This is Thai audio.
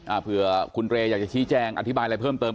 เผื่อคุณเรย์อยากจะชี้แจงอธิบายอะไรเพิ่มเติม